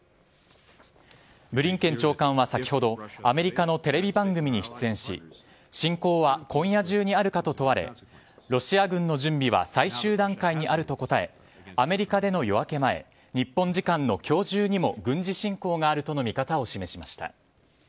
ブリンケン長官は先ほどアメリカのテレビ番組に出演し侵攻は今夜中にあるかと問われロシア軍の準備は最終段階にあると答えアメリカでの夜明け前日本時間の今日中にも軍事侵攻があるとの見方を示しました。